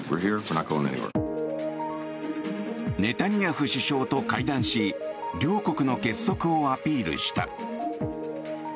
ネタニヤフ首相と会談し両国の結束をアピールした。